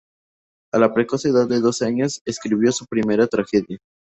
A la precoz edad de doce años escribió su primera tragedia.